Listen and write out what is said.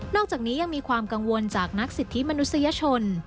อกจากนี้ยังมีความกังวลจากนักสิทธิมนุษยชน